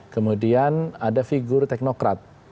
kemudian ada figur teknokrat